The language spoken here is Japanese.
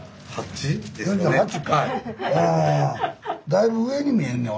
だいぶ上に見えんねん